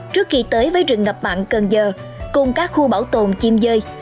trước khi tới với rừng ngập mặn cần giờ cùng các khu bảo tồn chim dơi